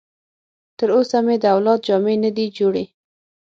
تر اوسه مې د اولاد جامې نه دي جوړې.